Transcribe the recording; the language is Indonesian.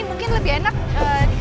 mungkin lebih enak di kafe aja ya dingin